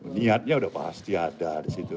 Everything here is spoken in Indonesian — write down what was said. niatnya udah pasti ada disitu